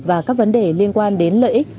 và các vấn đề liên quan đến lợi ích